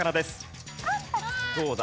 どうだ？